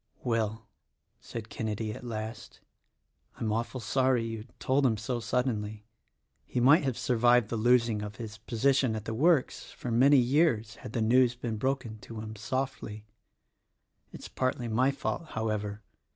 "Well," said Kenedy at last, "I'm awful sorry you told him so suddenly. He might have survived the losing of his position at the works — for many years — had the news been broken to him softly. It's partly my fault, however.